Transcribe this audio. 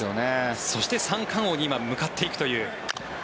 そして三冠王に今、向かっていくという。